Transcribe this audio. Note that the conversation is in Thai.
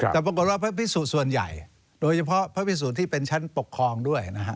แต่ปรากฏว่าพระพิสุส่วนใหญ่โดยเฉพาะพระพิสุที่เป็นชั้นปกครองด้วยนะฮะ